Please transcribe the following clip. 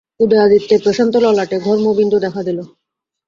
উদয়াদিত্যের প্রশান্ত ললাটে ঘর্মবিন্দু দেখা দিল।